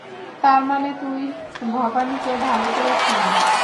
তার মানে, তুই ভবানিকে ভালো করে চিনিস।